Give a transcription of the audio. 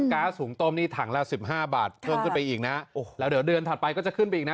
๊าซหุงต้มนี่ถังละสิบห้าบาทเพิ่มขึ้นไปอีกนะโอ้โหแล้วเดี๋ยวเดือนถัดไปก็จะขึ้นไปอีกนะ